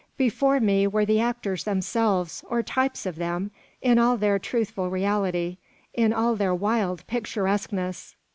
Before me were the actors themselves, or types of them, in all their truthful reality, in all their wild picturesqueness.